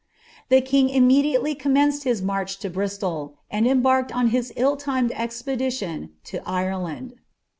The kin^ immediately commenced his march to Bristol, and embarked on his ill timed expedition lo Ireland.